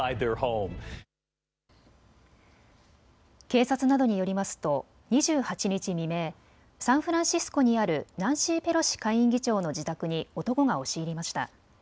警察などによりますと２８日未明、サンフランシスコにあるナンシー・ペロシ下院議長の自宅に男が押し入りました。